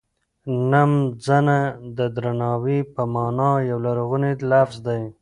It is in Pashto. نمځنه د درناوی په مانا یو لرغونی لفظ دی.